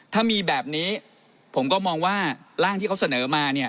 ถ้ามีแบบนี้ผมก็มองว่าร่างที่เขาเสนอมา